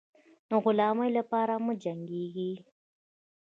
د غلامۍ لپاره مه جنګېږی.